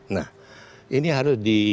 nah ini harus di